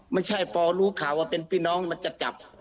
ไม่ใช่พอรู้ข่าวว่าเป็นพี่น้องมันจะจับ